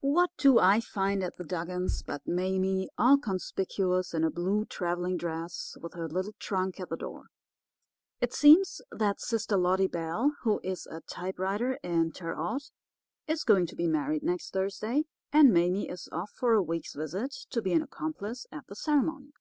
"What do I find at the Dugans' but Mame all conspicuous in a blue travelling dress, with her little trunk at the door. It seems that sister Lottie Bell, who is a typewriter in Terre Haute, is going to be married next Thursday, and Mame is off for a week's visit to be an accomplice at the ceremony.